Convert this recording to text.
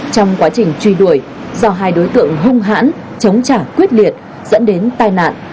trong quá trình truy đuổi do hai đối tượng hung hãn chống trả quyết liệt dẫn đến tai nạn